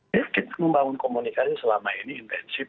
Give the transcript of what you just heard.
ya kita membangun komunikasi selama ini intensif